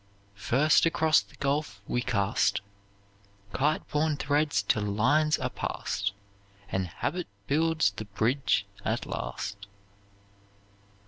First across the gulf we cast Kite borne threads till lines are passed, And habit builds the bridge at last.